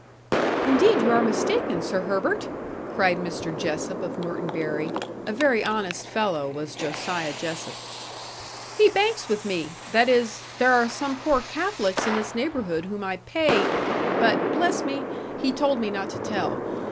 "Indeed you are mistaken, Sir Herbert!" cried Mr. Jessop of Norton Bury a very honest fellow was Josiah Jessop. "He banks with me that is, there are some poor Catholics in this neighbourhood whom I pay but bless me! he told me not to tell.